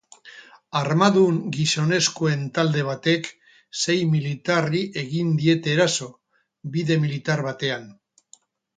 Armadun gizonezkoen talde batek sei militarri egin diete eraso, bide militar batean.